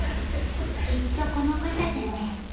きっとこの方じゃね。